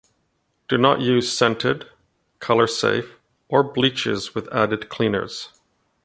Do not use scented, color safe, or bleaches with added cleaners.